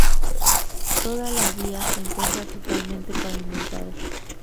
Toda la vía se encuentra totalmente pavimentada.